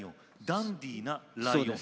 ダンディなライオン。